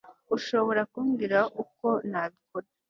Ushobora kumbwira uko nabikora